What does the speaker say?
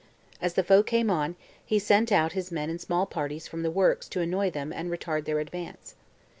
As the foe came on, he sent out his men in small parties from the works to annoy them and retard their advance.